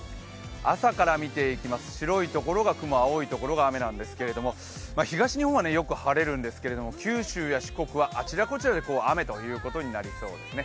朝から見ていきます、白いところが雲、青いところが雨なんですけど東日本は、よく晴れるんですけれども九州や四国はあちらこちらで雨ということになりそうですね。